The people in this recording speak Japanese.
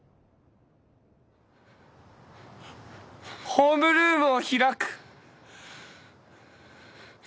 ホームルームを開く！